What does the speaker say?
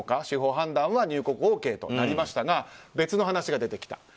司法判断は入国ＯＫとなりましたが別の話が出てきた。